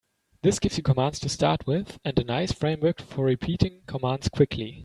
This gives you commands to start with and a nice framework for repeating commands quickly.